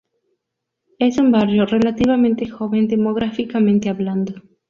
Es un barrio relativamente joven demográficamente hablando.